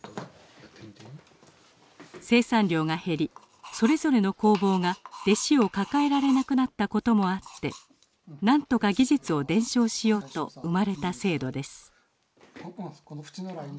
生産量が減りそれぞれの工房が弟子を抱えられなくなったこともあってなんとか技術を伝承しようと生まれた制度です。